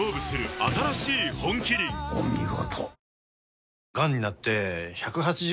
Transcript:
お見事。